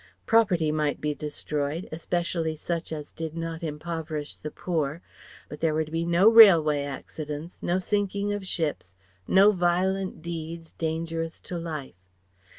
Property might be destroyed, especially such as did not impoverish the poor; but there were to be no railway accidents, no sinking of ships, no violent deeds dangerous to life.